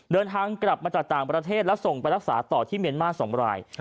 เดินทางกลับมาจากต่างประเทศแล้วส่งไปรักษาต่อที่เมียนมาร์๒ราย